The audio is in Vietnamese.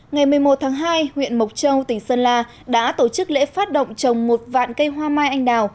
ngày một mươi một tháng hai huyện mộc châu tỉnh sơn la đã tổ chức lễ phát động trồng một vạn cây hoa mai anh đào